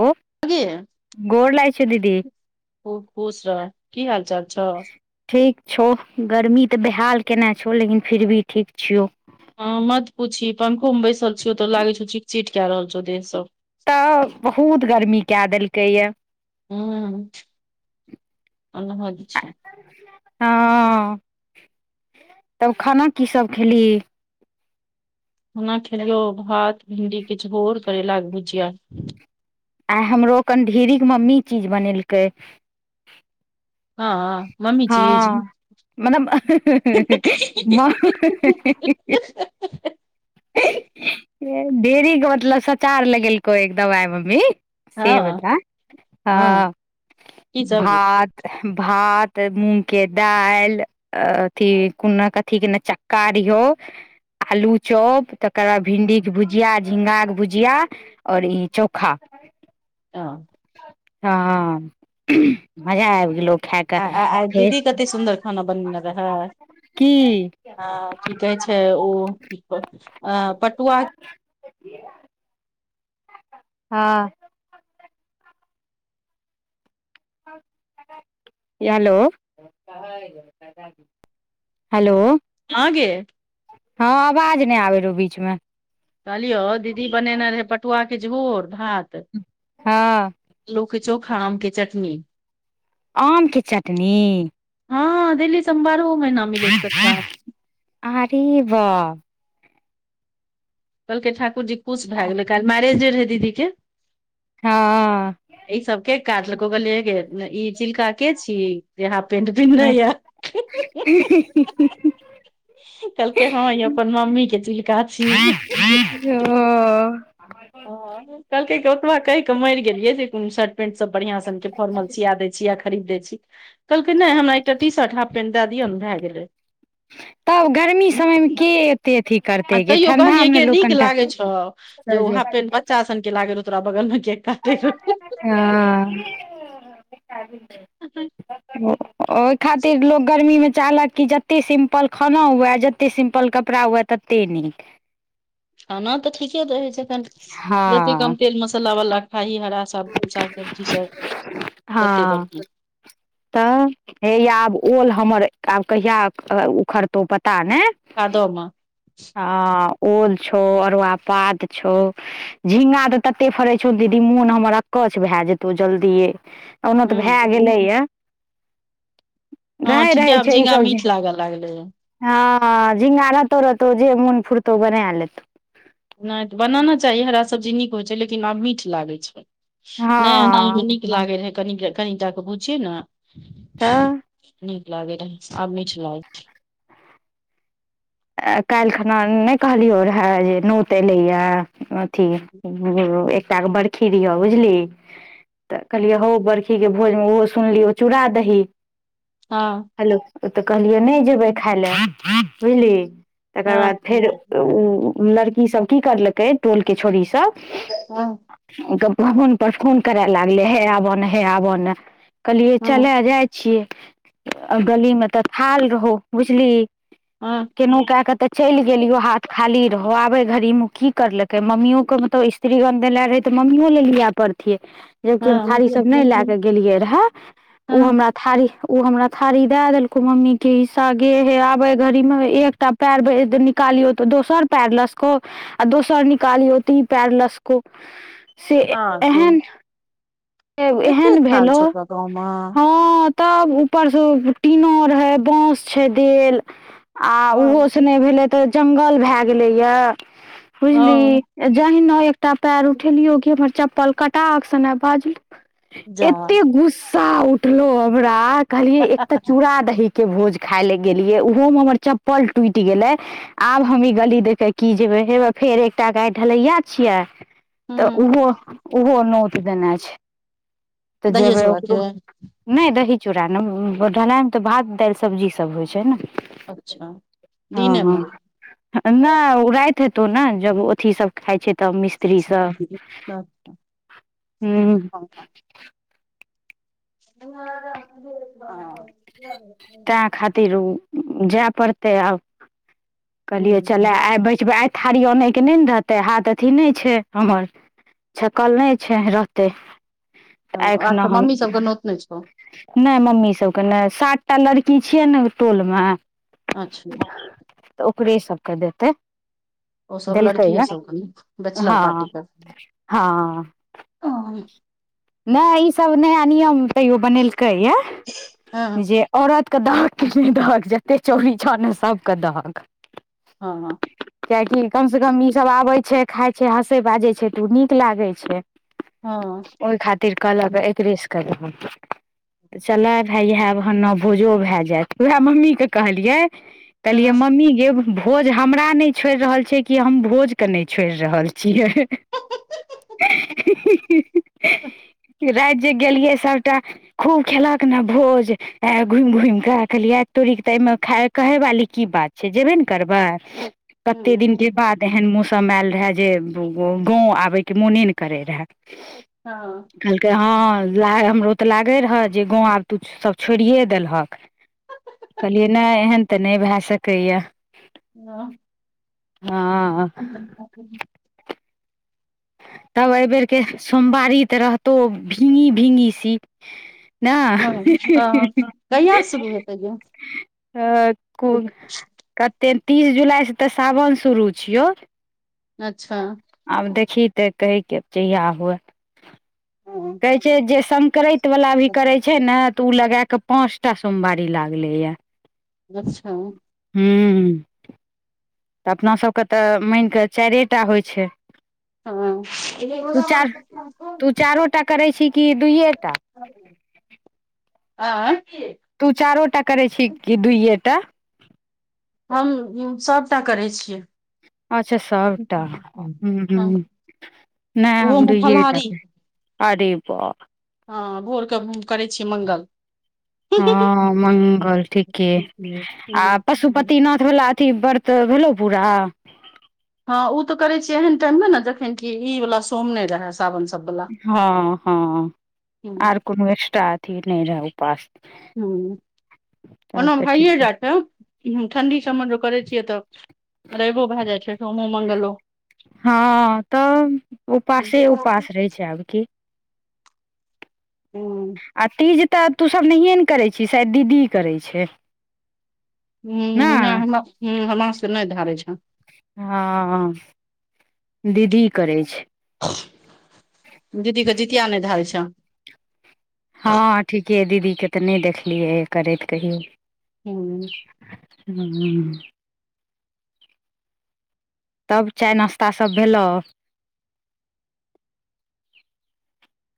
लो हगे। गोर लागै छै, दीदी। खूब खुश रह, कि हाल चाल छै? ठीक छौ, गरमी तऽ बेहाल केने छौ, लेकिन फिर भी ठीक छियौ। ह, मत पूछी पंखोमे बैसल छीय ओतऽ लागे छौ चीट चीट कए रहल छौ देह सभ तऽ बहुत गर्मीकऽ देलकै या हु, अंहद छै। हँ, तब खाना की सभ खेली? ओना खेलियौ भात भिंडीके झोर करेलाक भुजिया। आइ हमरो कन ढेरिक मम्मी चीज बनेलकै। हँ, मम्मी हँ छीज। मतलब [unintelligible] म ढेर मतलब सचार लगेलको एकदम आइ मम्मी। सेवद हँ आ हँ की सब गे भात। भात मूँगके दालि। अ अथि कोनो कथिके ने चक्का रो आलू चौप तऽ तकर बाद भिंडीके भुजिया झिंगाके भुजिया और ई चोखा ह। हँ, मजा आबि गेलो खाय क आ आय फेर दीदी कते सुन्दर खाना बनेने रहै की ह की कहे छै अ उ पटुआ हँ हेलो हेलो ह गे हँ आवाज नय आबे रहौ बीच मे कहलियौ दीदी बनेने रहै पटुआके झोर भात हँ आलु के चोखा आम के चटनी आम के चटनी हँ दिल्ली सब मे बारहो महीना मिलैत छै कचका आम अरे बाप कहलकै ठाकुर जी खुश भए गेलै काइल मैरेजडे रहय दीदी के हँ आय सब के काटलको कहल मैं से गे ई चिलका के छी जे हाल्फ पेंट पिन्ह य [unintelligible] कहलकै हँ इ अपन मम्मी के चिलका छीय ओ ह कहलकै ओतबा कहि क मरि गेलियै जे को पेन्ट सब बढ़िया सनके फार्मल सिया दै छी या‌ खरीद दै छी कहल कै नय हमरा एकटा टी-शर्ट हांफ पेन्ट दे दिय भे गेलय ह तब गर्मी समयमे के एते अथी आ करतै गे तैयो कहलियै ठण्डामे गे ने लोक कनिटा बच्चाासन के लागे रहौ तोरा बगल मे के काटैत अ ओहि खातिर लोग गर्मी मे चाहलक कि जत्ते सिम्पल खाना हुए जते सिम्पल कपड़ा हुए त ते निक खाना त ठीके दहै जखन जतेक हँ कम तेल मसाला वाला खाही हरा साग सब्जी सब ओते हँ बढ़िया तऽ हैया आब ओल हमर आब कहिया उखड़तौ पता ने भादो में ह ओल छौ अरुआ पात छौ झिंगा त तते फड़ै छौ दीदी मोन हमर अकछ भए जेतौ जल्दिए ओना त हूँ भए गेलैया हँ रहै ठीके रहै आब छै ई झींगा सब जे मीठ लाग लागले है हँ झिंगा रहतो रहतौ जे मोन फुरतौ बना लेतो नाय त बनाना चाही हरा सब्जी नीक होइ छै लेकिन आब मीठ लागे छै नया नया मे हँ नी लागे रहै कनिके कनिटा के भुझिये ने तऽ नी लागे रह आब मीठ लागे आ काल्हि खना नहि कहलियै रहए जे नोत एलैए अथी एकटा के बर्खी रहिय बुझली त कहलियै हौ बर्खी के भोजमे ओहो सुनली ओ चूड़ा दही हँ हेलो ओ त कहलियै नहि जेबे खाय ले बुझलि तकर हँ बाद फेर हँ ओ लड़की सब की करलकै टोल के छोड़ी सब हँ फोन पर फोन करए लागले हे आबै न हे आबै ने कहलिए हँ चले जाय छियै आ गली में तऽ थाल रहौ बुझली हँ केनो क के ते चलि गेलियो हाथ खाली रहो आबे घड़ी मे की करलके मम्मीयो के मत स्त्रीगंन ले रहै तऽ मम्मीयो ले लियए पड़तियै जबकि हम हँ थारी सब नहि ले के गेलियै रहे उ हँ हमरा थारी ओ हमरा थारी दए देलको मम्मी के ईसा गे हे आबे घड़ी मे एक एकटा पैर [unintelligible] निकालियौ तऽ दोसर पैर लसको आ दो सर निकालीयो ती ई पैर लसको से आ तोरी एहन एते एहन थाल भेलो छौ तोरा गाँव मे हँ तब ऊपर स टीनो रहे बोस छै देल आ ओहो से नहि भेलै तऽ जंगल भए गेले या हँ बुझली जहिना एकटा पैर उठेलियो कि हमर चप्पल कटाक सने बाजी जा एते गुस्सा उठलौ हमरा कहलियए एक तऽ चूड़ दही के भोज खाय ले गेलिये ओहो में हमर चप्पल टूट गेले आब हम ई गली दे के की जेबै हे फेर एकटा गाय ढलैया छियै तऽ हूँ ओहो ओहो नोट देने छै तऽ दहिये जेब चूड़ा के ओकरो नहि दही चूड़ा ने ढलाइमे तऽ भात दालि सब्जी सब होइ छै ने अच्छा दिने मे हँ नहि ओ राति हेतौ ने जब अथी सब खाइ छै तब मिस्त्री सब छ हूँ [inaudible] र [inaudible] तैह खातिर ओ जेय पड़तै आब कहलियै चलय आइ बचबै आइ थारी आनयके नहि ने रहतै हाथ अथी नहि छै हमर छकल नहि छै रहतै तऽ हूँ आ एखिना हम मम्मी सबके नोत नहि छौ नहि मम्मी सभके नहि सात टा लड़की छियै ने टोलमे अच्छा तऽ ओकरे सबके देतै ओ सब देलकै लड़कीये या सब बैचलर हँ पार्टी कर हँ नहि ई सब नया नियम तैयो बनेलकैए हँ जे औरतके दहक किछ नहि दहक जते चोरी छौ सभके दहक हँ हँ कियकि कम से कम ई सब आबे छै खाय छै हँसे बाजे छै तऽ ओ नीक लागे छै हँ ओहि खातिर कहलऽक एकरेस करब त चलै भाय इएह न भोजो भए जायत उएह मम्मीे के कहलियै कहलियै मम्मी गेब भोज हमरा नहि छोड़ि रहल छै कि हम भोज के नहि छोड़ि रहल छियै रति जे गेलियै सभटा खूब खेलक ने भोज आ घुमि घुमि कऽ रखलियै तोरीक तऽ एहिमे ख कहे वाली की बात छै जेबे ने करबै कते दिन के बाद एहन मौसम आयल रहए जे गाँव आबयके मोने नै करै रहए कहलकै हँ ला हमरो तऽ लागै रहए जे गाँव आब तू सभ छोड़िए देलहक कहलियै नहि एहन तऽ नहि भए सकैया हँ हँ [inaudible] [inaudible] तब एहि बेेर के सोमवारी तऽ रहतौ भिंगी भिंगी सी ना ही ही ही हँ कहिया ही शुरू हेतै यै ह कुकतेक तीस जुलाइसँ तऽ सावन शुरू छियौ अच्छा आब देखही तऽ कहैके जहिया हुए हाँ, कहै छैय जे संकरैत वला भी करै छैय ने तऽ ओ लगाकऽ पाँच टा सोमवारी लागलैया। अच्छा हूँ तऽ अपनासभके तऽ मानिकऽ चारिए टा होइ छैय। तू चार तू चारोटा करै छी कि दुइए टा? [inaudible] आँय? तू चारोटा करै छी कि दुइयेटा? हम सभटा करै छियै। अच्छा सबटा हु। हँ नहि हम ओहोमे दुयेटा फलाहारी के अरे बा। हँ भोरके हम करै छी मंगल। हँ मंगल ठीके आ पशुपति ना थ वला अथी व्रत भेलौ पूरा? हँ उ त करै छीे एहन टाइम मे ने जखन की इ वाला सोम नहि रहे। [unintelligible] सब [unintelligible] हँ हँ आओर कोनो एक्स्ट्रा अथी नहि रहल उपाश। हूं ओना भइए ठीके जेतै। ठंडी सममे ज करै छियै तऽ रैबो भए जाइ छैय सोमो मंगलो। हँ तऽ उपासे हूँ उपास रहै छैय आब की। हूँ आ तीज तऽ तू सब नहिए ने करै छी शायद दीदी करै छैय। हूं नै हमरा से नहि धारे छैय। हँ दीदी करै छैय। दीदीके जितिया नहि धारै छैय। हँ ठीके दीदीके तऽ नहि देखलियै करैत कहियो। हूँ हूं तब चाय नाश्ता सभ भेलव?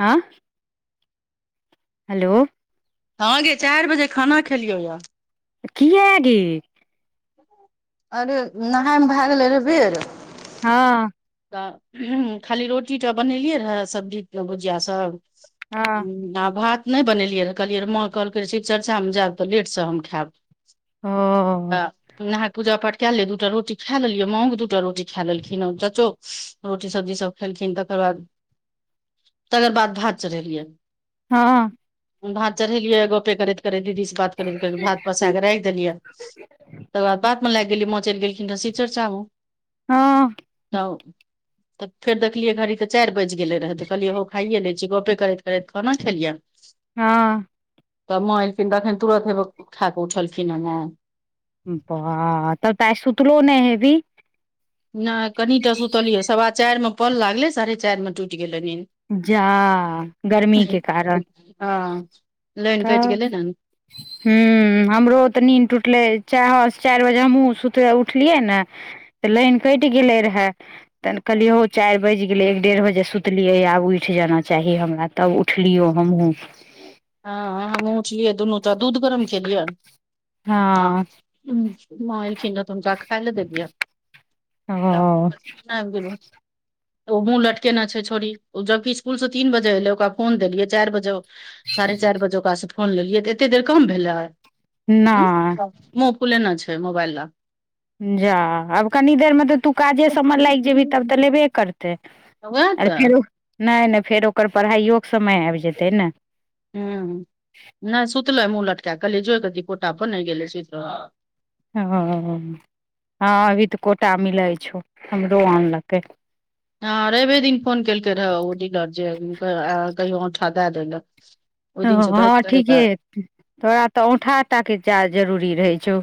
हँ हेलो हँ गे चारि बजे खाना खेलियै यऽ। कीया गे? अरे नहाायमे भए गेलै रे बेेर। हँ तऽ खाली रोटी टा बनेलियै रहए सब्जी भुजिया सब हँ ह आ भात नहि बनेलियै रह कहलियै र माँ कहलकै शव चर्चामे जायब तऽ लेटसँ हम खायब। ओ त नहा पूजा पाठ कएलियै दू टा रोट खा लेलियै मावो के दूटा रोटी खा लेलखिन चचो रोटी सब्जी सब खेलखिन तकर बाद तकर बाद भात चढ़ेलियै। हँ भात चढ़ेलियै गपे करैत करैत दीदी से बात करैत करैत भात पसा कऽ राखि देलियै। [unintelligible] त वा बातमे लागि गेलयै माँ चैल गेलखिन तऽ शिवचर्चामे हँ त तऽ फेर देखलियै घड़ी तऽ चारि बाजि गेलै रहै तऽ कहलियै हम कहलियै खाइए लै छै गपे करैत करैत खाना खेलियनि। हँ तब माँ एलखिन तऽखन तुरत उहो खा कऽ उठलखिन ह माँ। वाह तबत आई सुतलो नहि हेबही? नहि कनित सुतलियै पल लागिल सवा चारि मे पल लागलै साढ़े चारि मे टूटि गेल निन। जा गर्मीके कारण हँ लाइन कटि तऽ। गेलै ने ह। ह, हमरो तऽ नींद टूटलै कई चारि बजे हमहूँ सुतक उठलियै ने। तऽ लाइन कटि गेले रहा तहन कहलियए हौ चारि बाजि गेले एक डेढ़ बजे सुतलियै आब। उठ जाना चाही हमरा तब उठलियो हमहूँ। हँ, हमहूँ उँठलियै दुनू त दूध गरम खेलियनि आ, हँ माँ एलखिन तऽ हुन का खाय लैतम देबिय। ह। आब गलो ओ मुँह लटकेना छै छोड़ी, ओ जबकि स्कुलसे तीन बजे एलै ओकरा फोन देलियै चारि बजे साढ़े चारि बजे ओकरासँ फोन लेलियै, तऽ एते देर कम भेलै हू नहि मुँह फुलेने छै मोबइल ल जा आब कनि देरमे तऽ तू काजे सभमे लागि जेबही तब तऽ लेबे करतै। त, वएह आ, तऽ फेरो नहि, नहि फेर ओकर पढ़ाइयोके समय आबि जेतै ने। ह, नहि सुतले मुँह लटका कहलियै जोइ की पोटा पर नहि गेलै सुतल। ओ, हँ, अभी तऽ कोटा मिलै छौ, हमरो आनलकै हँ, रवे दिन फोन केलकै रहऽ ओ डीलर जे कहियो औठा दए देलक ओ, हँ, ठीके तोरा तऽ औूठाटाके चार जरूरी रहै छौ।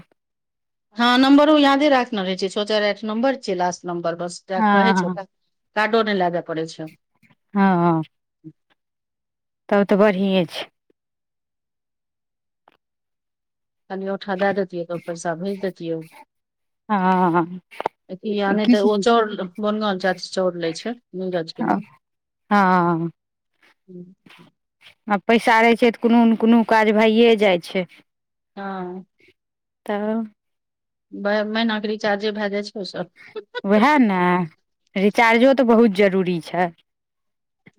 हँ, नम्बरो यादे राखने रहे छै, सँ चारि आठ नम्बर छै, लास्ट नम्बर बस हँ कहै छै, ओकरा काडो नहि लाबे पड़े छै। हँ। तब तऽ बढ़ि छै। कनि औठा दए दैतियै, तऽ ओ पैसा भेज दैतियै। हँ यानहि तऽ हँ ओ चाउर कोन गाम काकि चोउर लै छै, नजकेमे आ आ पैसा रहै छै, तऽ कोनोने कोनो काज भइए जाइ छै। हँ। तऽ। महीनाके रिचार्जे भए जाइ छै, ओसभ। ओएह ने रिचार्जो तऽ बहुत जरूरी छै।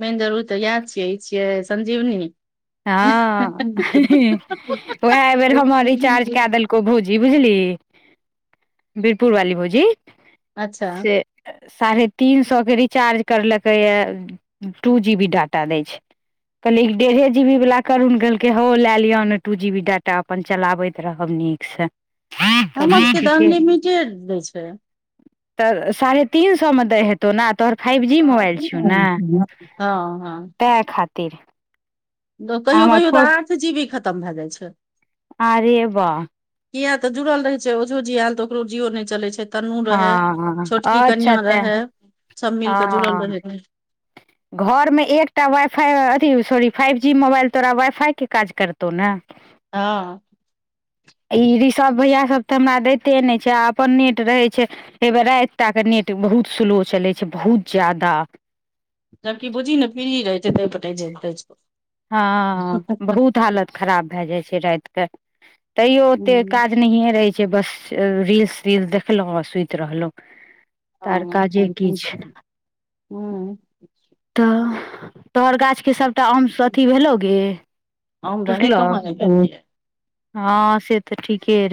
मेन जरूरी ओऽ याद छियै इ छियै संजीवनी। हँ, उएह बेर हमर रिचार्ज कऽ अच्छा देलक भौजी बुझली बीरपुर वाली भौजीसे साढ़े तीन सएके रिचार्ज करलकैए टू जीबी डाटा दै छै। क़हलिए डेढ़ह जीबी वाला करुण कहलकै, हौ, लऽ लिअ ने दू जीबी डाटा, अपन चलबैत रहब नीकसँ। हमर कहलियै सभके तऽ ठीके अनलिमिटेड दै छै। तऽ साढ़े तीन सएमे दहेतै तोना तोहर फाइव जी हँ मोबाइल छौ, ने हँ तैहि खातिर। आ हमर कहियो-कहियो फोर तऽ आठ जीबी खतम भए जाइ छै। अरे वाह किया तऽ जुड़ल रहे छै, ओझो जी आयल तऽ ओकरो जियो नहि चले छै। तनु रहे हँ छोटकी कनिया अच्छा तें रहे सभ मिलके जुड़ल हँ रहे रह [inaudible] घरमे एकटा वाइ फाई अथि सॉरी फाइव जी मोबाइल तोरा वाइ फाईके काज करतौ ने। हँ। ई रिसर्व भैया सभ तऽ हमरा दैते ने छै, आ अपन नेट रहे छै। हे बेर रातिताके नेट बहुत स्लोए चलै छै, बहुत ज्यादा जबकि बुझही ने फ्री ही रहै छै, ताई पर हँ, बहुत हालत खराब भए जाइ छै, रातके तैयो ओते हँ काज नहि रहै छै, बस रील्स तीलस देखलहुँ आ सुति रहलहुं। त आर काजे कि छैय? हू तऽ तोहर गाछ के सब टा आम अथी भेलौ गे हम रहै टुटलौ? कहाँ एतै। हँ से तऽ ठीके रहै।